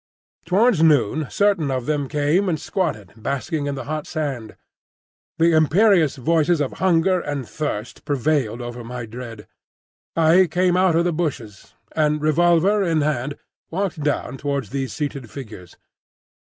Towards noon certain of them came and squatted basking in the hot sand. The imperious voices of hunger and thirst prevailed over my dread. I came out of the bushes, and, revolver in hand, walked down towards these seated figures.